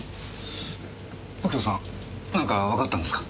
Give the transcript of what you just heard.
右京さんなんかわかったんですか？